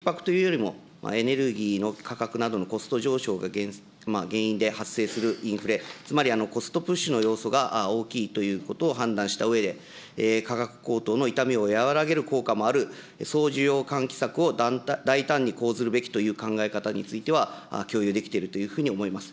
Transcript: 現下のＧＤＰギャップの状況では、足元のインフレ率は、需給ひっ迫というよりも、エネルギーの価格などのコスト上昇が原因で発生するインフレ、つまりコストプッシュの要素が大きいということを判断したうえで、価格高騰の痛みを和らげる効果もある総需要喚起策を大胆に講ずるべきという考え方については、共有できてるというふうに思います。